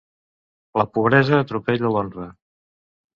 La pobresa atropella l'honra.